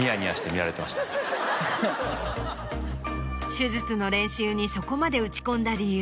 手術の練習にそこまで打ち込んだ理由。